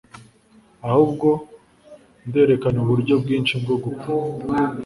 Ahubwo nderekana uburyo bwinshi bwo gupfa